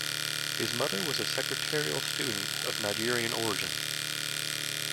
His mother was a secretarial student of Nigerian origin.